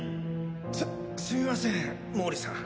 すすみません毛利さん。